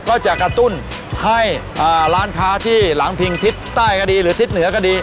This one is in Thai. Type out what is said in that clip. ก็จะกระตุ้นให้ร้านค้าที่หลังพิงทิศใต้ก็ดีหรือทิศเหนือก็ดี